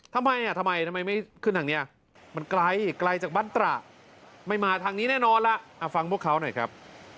ทำไมอ่ะทำไมทำไมไม่ขึ้นทางนี้มันไกลไกลจากบ้านตระไม่มาทางนี้แน่นอนล่ะฟังพวกเขาหน่อยครับ